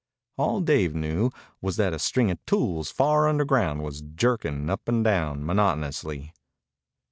All Dave knew was that a string of tools far underground was jerking up and down monotonously.